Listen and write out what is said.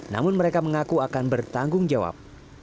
namun mereka mengaku akan bertanggung jawab